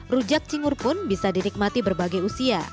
rujak cingur pun bisa dinikmati berbagai usia